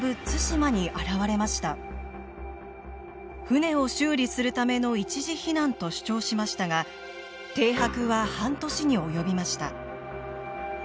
船を修理するための一時避難と主張しましたが停泊は半年に及びました。